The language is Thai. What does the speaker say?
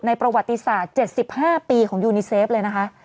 ประวัติศาสตร์๗๕ปีของยูนิเซฟเลยนะคะ